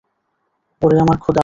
ওরে আমার খোদা!